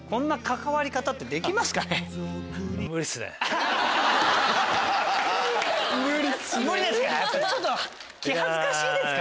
無理ですか？